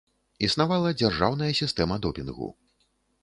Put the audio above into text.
Існавала дзяржаўная сістэма допінгу.